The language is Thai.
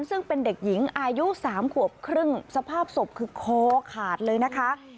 ซึ่งเป็นเด็กหญิงอายุ๓ขวบครึ่งสภาพศพคือคอขาดเลยนะคะ